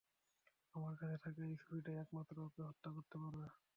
আমার কাছে থাকা এই ছুরিটাই একমাত্র ওকে হত্যা করতে পারবে!